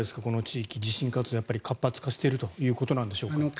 この地域地震活動が活発化しているということなんでしょうか。